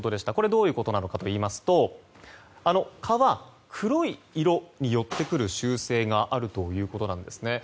どういうことかといいますと蚊は黒い色に寄ってくる習性があるということなんです。